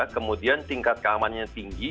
kemudian tingkat keamanannya tinggi